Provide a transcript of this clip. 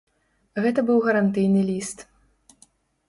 Гэта быў гарантыйны ліст.